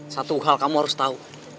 satu hal kamu harus tahu